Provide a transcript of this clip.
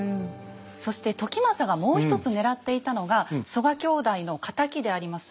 そして時政がもう一つ狙っていたのが曽我兄弟の敵であります